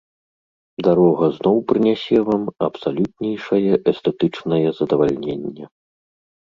Дарога зноў прынясе вам абсалютнейшае эстэтычнае задавальненне.